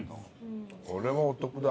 これはお得だ。